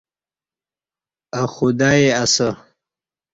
اہ خدائی اسہ